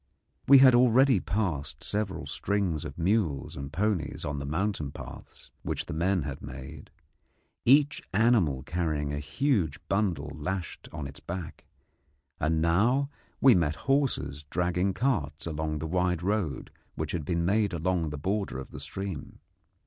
We had already passed several strings of mules and ponies on the mountain paths which the men had made, each animal carrying a huge bundle lashed on its back; and now we met horses dragging carts along the wide road which had been made along the border of the stream.